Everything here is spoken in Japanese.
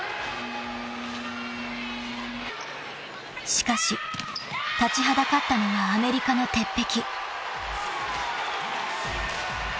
［しかし立ちはだかったのはアメリカの鉄壁］